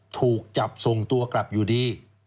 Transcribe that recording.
ถูกจับส่งตัวกลับอยู่ดี